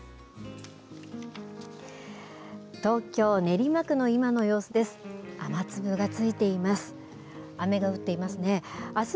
東京・練馬区の今の様子です。